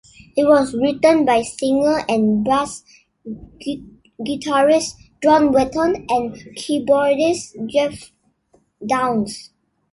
It was written by singer and bass guitarist John Wetton, and keyboardist Geoff Downes.